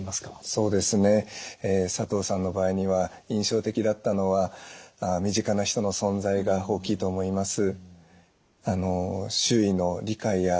そうですね佐藤さんの場合には印象的だったのは身近な人の存在が大きいと思います。